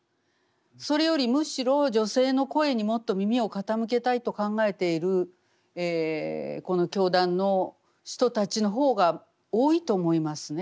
それよりむしろ女性の声にもっと耳を傾けたいと考えているこの教団の人たちの方が多いと思いますね。